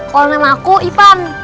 kalau nama aku ipan